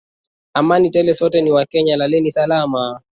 Amani tele sote ni wakenya, laleni salama